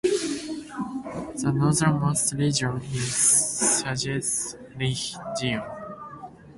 The northernmost region is Sughd Region.